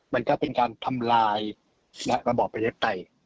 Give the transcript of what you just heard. มันก็เป็นการทำลายระบบประเย็บใกล้